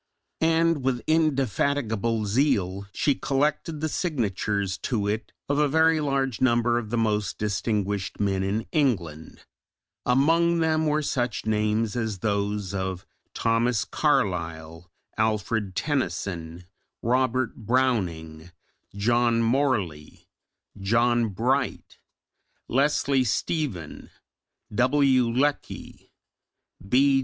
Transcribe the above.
And with indefatigable zeal she collected the signatures to it of a very large number of the most distinguished men in England; among them were such names as those of Thomas Carlyle, Alfred Tennyson, Robert Browning, John Morley, John Bright, Leslie Stephen, W. Lecky, B.